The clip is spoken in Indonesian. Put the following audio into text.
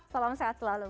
salam sehat selalu